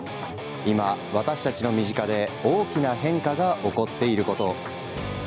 今、私たちの身近で大きな変化が起こっていることを。